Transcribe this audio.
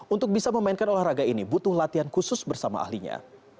untuk bisa memainkan olahraga ini butuh latihan khusus bersama ahlinya